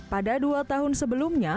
pada dua tahun sebelumnya